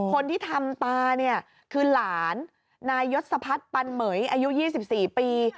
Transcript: คนที่ทำตาเนี่ยคือหลานนายยศพัฒน์ปันเหม๋ยอายุ๒๔ปี